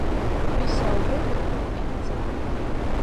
ვისაუბროთ ქართულ ენაზე